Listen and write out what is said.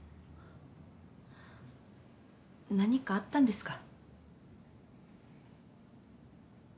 何かあったんですか？